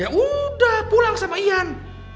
ya udah pulang sama ian